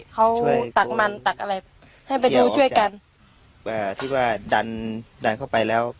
เขาตักมันตักอะไรให้มาดูช่วยกันอ่าที่ว่าดันดันเข้าไปแล้ว